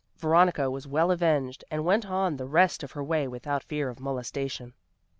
Veronica was well avenged, and went on the rest of her way without fear of molestation.